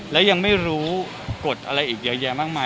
และยังไม่รู้กฎอะไรอีกเยอะแยะมากมาย